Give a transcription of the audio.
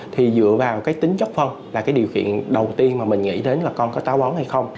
thì dựa vào tính chất phân là điều kiện đầu tiên mà mình nghĩ đến là con có tàu bón hay không